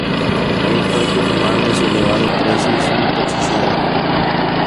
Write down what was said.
A esto hay que sumarle su elevado precio y su toxicidad.